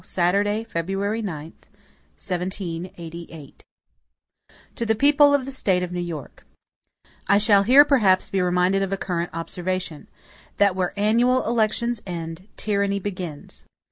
Saturday, February 9, 1788. MADISON To the People of the State of New York: I SHALL here, perhaps, be reminded of a current observation, "that where annual elections end, tyranny begins."